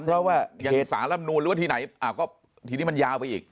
ยังสาร่ำนูนหรือว่าทีนี้มันยาวไปอีก